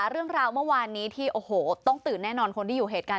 เรื่องราวเมื่อวานนี้ที่โอ้โหต้องตื่นแน่นอนคนที่อยู่เหตุการณ์